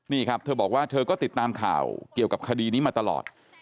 นี่ครับเธอบอกว่าเธอก็ติดตามข่าวเกี่ยวกับคดีนี้มาตลอด